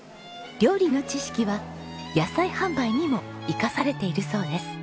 料理の知識は野菜販売にも生かされているそうです。